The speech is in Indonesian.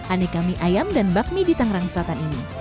aneh kami ayam dan bakmi di tangerang selatan ini